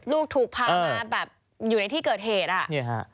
ลูกถูกพามาแบบอยู่ในที่เกิดเหตุอ่ะนี่ฮะ